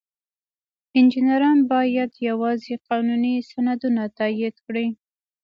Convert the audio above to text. انجینران باید یوازې قانوني سندونه تایید کړي.